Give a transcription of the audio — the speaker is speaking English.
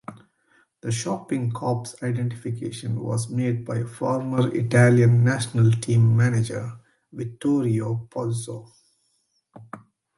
The shocking corpse identification was made by former Italian National Team manager Vittorio Pozzo.